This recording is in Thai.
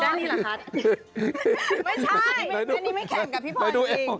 ทีนี้ไม่แข่งกับพี่ปลอยจริง